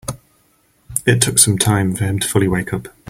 It took some time for him to fully wake up.